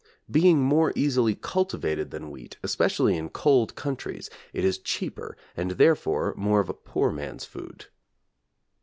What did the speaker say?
Being more easily cultivated than wheat, especially in cold countries, it is cheaper and therefore more of a poor man's food.